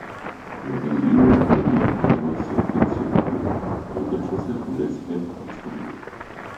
La berline dérive du carrosse traditionnel, dont elle conserve l'aspect extérieur.